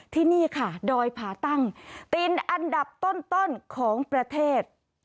ที่นี่ค่ะดอยผาตั้งตินอันดับต้นของประเทศ